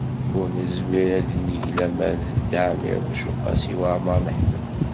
Ur nezmir ad neg laman deg Dda Ɛmiiruc u Qasi Waɛmer n Ḥmed.